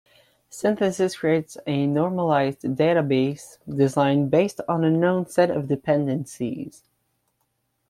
Synthesis creates a normalized database design based on a known set of dependencies.